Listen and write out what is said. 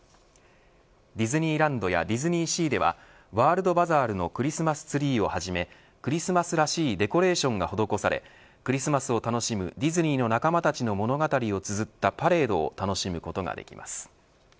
ディズニーランドやディズニーシーではワールドバザールのクリスマスツリーをはじめクリスマスらしいデコレーションが施されクリスマスを楽しむディズニーの仲間たちの物語をつづったパレードを楽しむことができます。